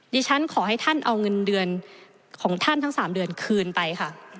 ดิฉันขอให้ท่านเอาเงินเดือนของท่านทั้ง๓เดือนคืนไปค่ะ